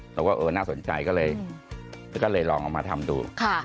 เราก็เออน่าสนใจก็เลยลองเอามาทำดู